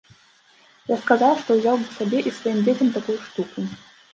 Я сказаў, што ўзяў бы сабе і сваім дзецям такую штуку.